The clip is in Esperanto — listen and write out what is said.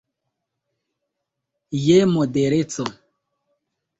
Je modereco.